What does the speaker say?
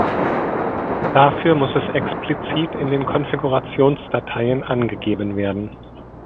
Dafür muss es explizit in den Konfigurationsdateien angegeben werden.